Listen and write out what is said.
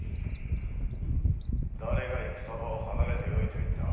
誰が戦場を離れてよいと言った。